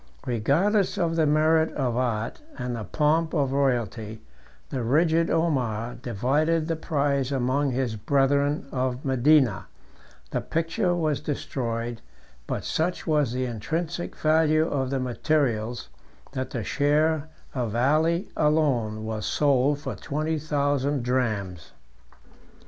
Regardless of the merit of art, and the pomp of royalty, the rigid Omar divided the prize among his brethren of Medina: the picture was destroyed; but such was the intrinsic value of the materials, that the share of Ali alone was sold for twenty thousand drams.